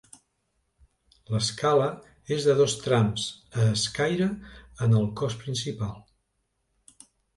L’escala és de dos trams a escaire en el cos principal.